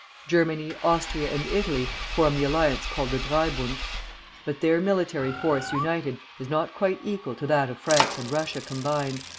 Germany, Austria, and Italy form the alliance called the Dreibund. But their military force united is not quite equal to that of France and Russia combined.